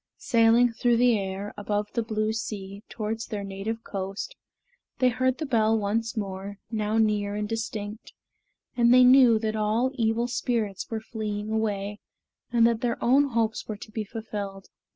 Sailing through the air, above the blue sea, towards their native coast, they heard the bell once more, now near and distinct, and they knew that all evil spirits were fleeing away, and that their own hopes were to be fulfilled.